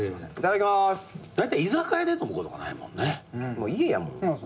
もう家やもん。